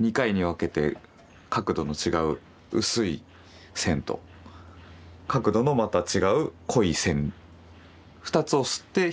２回に分けて角度の違う薄い線と角度のまた違う濃い線２つを摺って表現するってことですね。